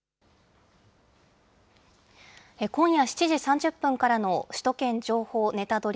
今夜７時３０分からの首都圏情報ネタドリ！